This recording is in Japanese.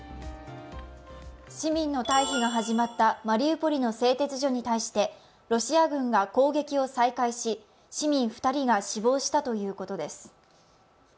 市民の退避が始まったマリウポリの製鉄所に対してロシア軍が攻撃を再開し、市民２人が死亡したということです